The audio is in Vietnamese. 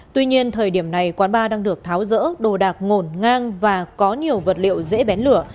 tuy nhiên thời điểm này quán bar đang được tháo rỡ đồ đạc ngổn ngang và có nhiều vật liệu dễ bén lửa